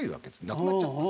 なくなっちゃった。